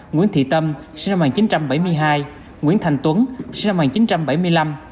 nguyễn thị tâm sinh năm một nghìn chín trăm bảy mươi hai nguyễn thành tuấn sinh năm một nghìn chín trăm bảy mươi năm